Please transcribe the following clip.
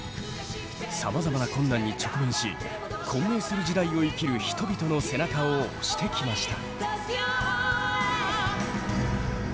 さまざまな困難に直面し混迷する時代を生きる人々の背中を押してきました。